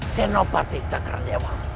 senopati sakar dewa